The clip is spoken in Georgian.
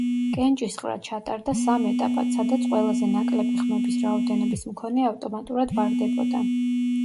კენჭისყრა ჩატარდა სამ ეტაპად, სადაც ყველაზე ნაკლები ხმების რაოდენობის მქონე ავტომატურად ვარდებოდა.